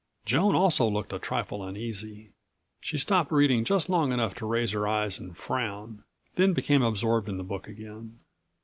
Joan also looked a trifle uneasy. She stopped reading just long enough to raise her eyes and frown, then became absorbed in the book again.